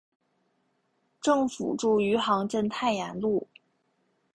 政府驻余杭镇太炎路。